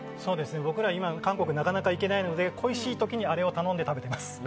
僕ら今、韓国になかなか行けないので恋しい時にあれを頼んで食べてます。